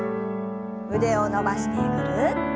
腕を伸ばしてぐるっと。